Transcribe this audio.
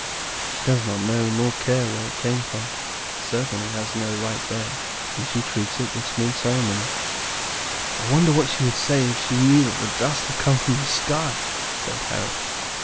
She does not know nor does she care where it came from; it certainly has no right there, and she treats it with small ceremony." "I wonder what she would say if she knew that the dust had come from the sky," said Harry.